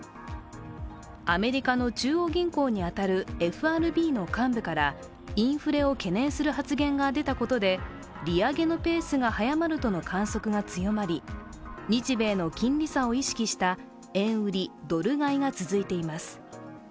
アメリカの中央銀行に当たるＦＲＢの幹部から、インフレを懸念する発言が出たことで、利上げのペースが速まるとの観測が強まり、日米の金利差を意識した円売り・ドル買いが続いています。